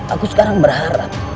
aku sekarang berharap